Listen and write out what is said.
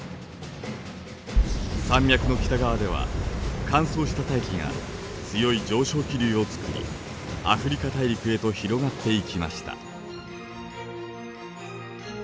山脈の北側では乾燥した大気が強い上昇気流を作りアフリカ大陸へと広がっていきました。